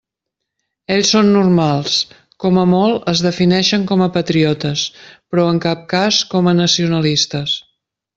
Ells són «normals», com a molt es defineixen com a patriotes, però en cap cas com a nacionalistes.